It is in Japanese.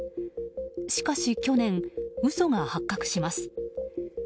しかし去年、嘘が発覚します。